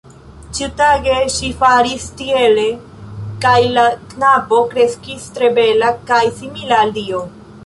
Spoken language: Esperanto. Ĉiutage ŝi faris tiele kaj la knabo kreskis tre bela kaj simila al dio.